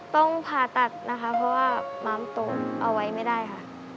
ต้องผ่าตัดนะคะเพราะว่าม้ามโตเอาไว้ไม่ได้ค่ะ